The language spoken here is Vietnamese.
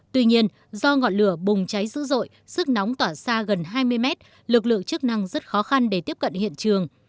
tuy nhiên do ngọn lửa bùng cháy dữ dội sức nóng tỏa xa gần hai mươi mét lực lượng chức năng rất khó khăn để tiếp cận hiện trường